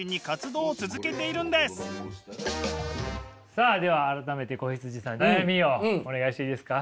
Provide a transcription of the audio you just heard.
さあでは改めて子羊さん悩みをお願いしていいですか？